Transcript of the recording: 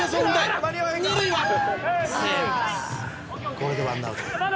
「これで１アウト」